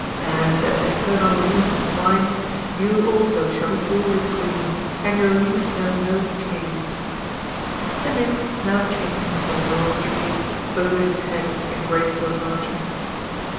And, as eternal youth is mine, you also shall be always green, and your leaf know no decay." The nymph, now changed into a Laurel tree, bowed its head in grateful acknowledgment.